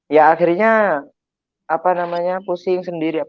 ya akhirnya apa namanya pusing sendiri